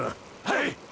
はい！！